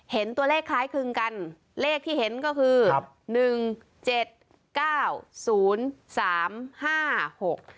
เห็นตัวเลขคล้ายคลึงกันเลขที่เห็นก็คือครับหนึ่งเจ็ดเก้าศูนย์สามห้าหก